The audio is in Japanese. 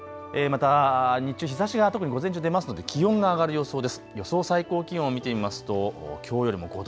また、日ざしが特に午前中出ますので気温が上がる予想です。